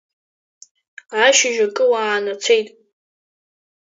Ашьыжь акы уаанацеит…